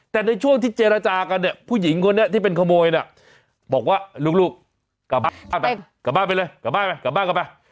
แต่ในช่วงที่เจรจากันผู้หญิงคนนี้ที่เป็นขโมยบอกว่าลูกกลับบ้านไป